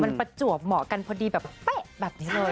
มันประจวบเหมาะกันพอดีแบบเป๊ะแบบนี้เลย